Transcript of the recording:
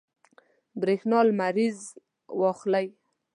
برېښنا لمریز واخلئ.